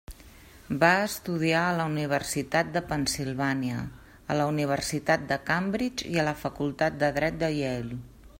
Va estudiar a la Universitat de Pennsilvània, a la Universitat de Cambridge i a la facultat de Dret de Yale.